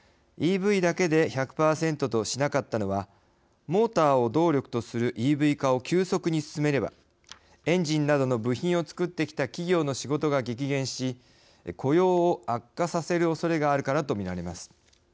ＥＶだけで１００％としなかったのはモーターを動力とするＥＶ化を急速に進めればエンジンなどの部品をつくってきた企業の仕事が激減し雇用を悪化させるおそれがあるからとみられます。